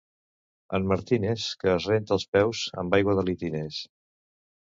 En Martines, que es renta els peus amb aigua de litines.